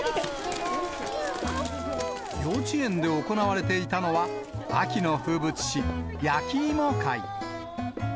幼稚園で行われていたのは、秋の風物詩、焼き芋会。